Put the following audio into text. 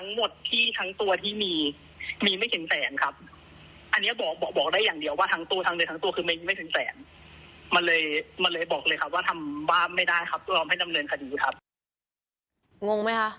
งงไหมคะ